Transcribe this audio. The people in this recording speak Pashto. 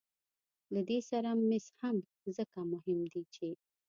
له دې سره مس هم ځکه مهم دي چې